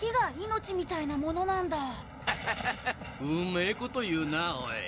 うめえこと言うなぁおい。